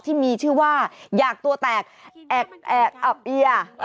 ที่มีชื่อว่าอยากตัวแตกอับเอีย